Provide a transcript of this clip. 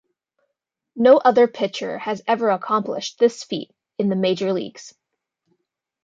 No other pitcher has ever accomplished this feat in the major leagues.